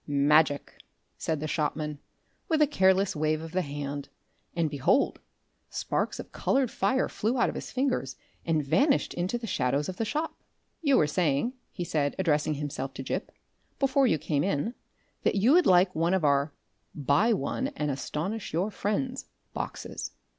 "Magic!" said the shopman, with a careless wave of the hand, and behold! sparks of coloured fire flew out of his fingers and vanished into the shadows of the shop. "You were saying," he said, addressing himself to Gip, "before you came in, that you would like one of our 'Buy One and Astonish your Friends' boxes?"